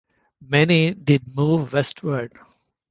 Many did move westward.